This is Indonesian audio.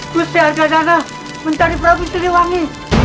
gusti arga dana mencari prabu ciliwangi